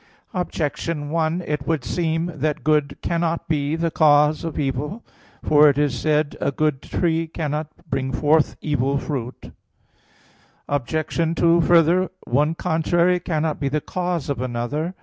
Objection 1: It would seem that good cannot be the cause of evil. For it is said (Matt. 7:18): "A good tree cannot bring forth evil fruit." Obj. 2: Further, one contrary cannot be the cause of another.